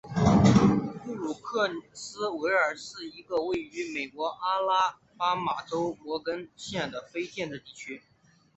布鲁克斯维尔是一个位于美国阿拉巴马州摩根县的非建制地区。